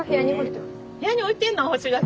部屋に置いてんの干し柿。